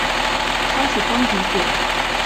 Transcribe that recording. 开始装橘子